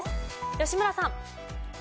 吉村さん。